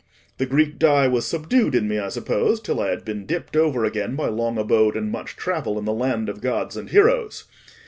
The Greek dye was subdued in me, I suppose, till I had been dipped over again by long abode and much travel in the land of gods and heroes.